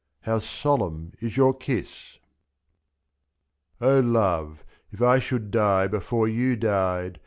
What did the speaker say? how solemn is your kiss ! O love, if I should die before you died.